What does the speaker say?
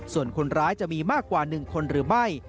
ส่วนคนร้ายจะมีมากกว่า๑คนหรือไม่